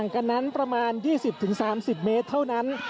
คุณภูริพัฒน์ครับ